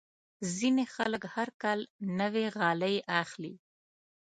ځینې خلک هر کال نوې غالۍ اخلي.